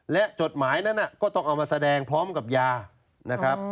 และจดหมายนั้นก็ต้องเอามาแสดงพร้อมกับยานะครับ